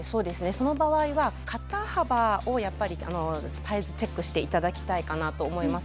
その場合には肩幅をやっぱりサイズチェックをしていただきたいかなと思います。